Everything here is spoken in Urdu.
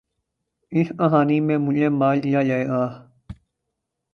ﺍﺱ ﮐﮩﺎﻧﯽ ﻣﯿﮟ ﻣﺠﮭﮯ ﻣﺎﺭ ﺩﯾﺎ ﺟﺎﺋﮯ ﮔﺎ